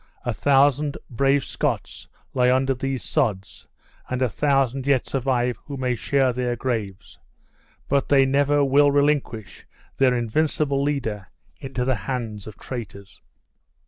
A thousand brave Scots lie under these sods, and a thousand yet survive who may share their graves; but they never will relinquish their invincible leader into the hands of traitors!"